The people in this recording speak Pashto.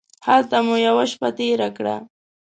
هلته مو یوه شپه تېره کړه.